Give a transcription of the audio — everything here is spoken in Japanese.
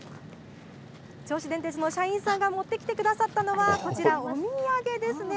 銚子電鉄の社員さんが持ってきてくださったのは、こちら、お土産ですね。